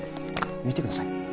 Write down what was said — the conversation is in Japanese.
見てください